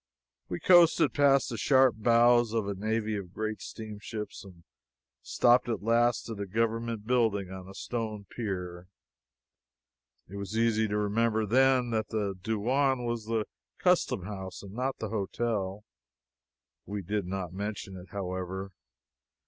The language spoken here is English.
We coasted past the sharp bows of a navy of great steamships and stopped at last at a government building on a stone pier. It was easy to remember then that the douain was the customhouse and not the hotel. We did not mention it, however.